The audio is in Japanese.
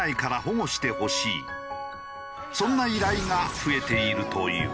そんな依頼が増えているという。